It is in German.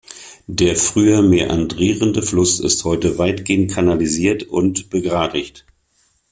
Der früher mäandrierende Fluss ist heute weitgehend kanalisiert und begradigt.